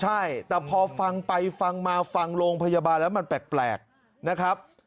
ใช่แต่พอฟังไปฟังมาฟังโรงพยาบาลแล้วมันแปลกนะครับ